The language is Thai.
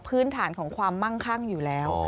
พื้นฐานของความมั่งคั่งอยู่แล้ว